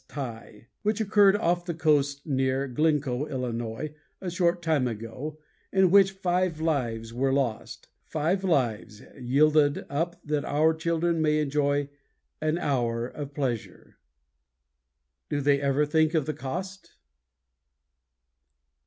Thal, which occurred off the coast near Glencoe, Ill., a short time ago, in which five lives were lost. Five lives yielded up that our children may enjoy an hour of pleasure! Do they ever think of the cost?